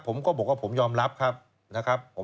ผมก็บอกว่าผมยอมรับครับนะครับ